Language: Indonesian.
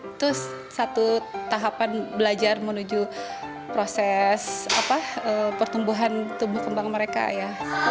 itu satu tahapan belajar menuju proses pertumbuhan tumbuh kembang mereka ya